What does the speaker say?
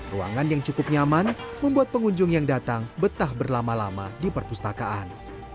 ruangan yang cukup nyaman membuat pengunjung yang datang betah berlama lama di perpustakaan